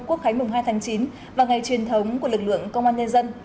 quốc khánh mùng hai tháng chín và ngày truyền thống của lực lượng công an nhân dân